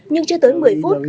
nhưng chưa tới một mươi phút